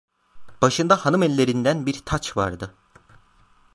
Başında hanımellerinden bir taç vardı.